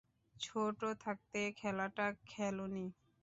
ছোট থাকতে খেলাটা খেলোনি?